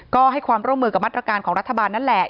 ก็ให้ความร่วมมือกับมาตรการของรัฐบาลนั่นแหละ